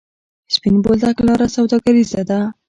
سپین بولدک لاره سوداګریزه ده؟